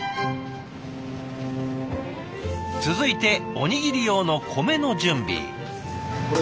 続いておにぎり用の米の準備。